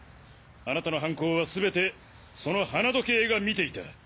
あなたの犯行はすべてその花時計が見ていた。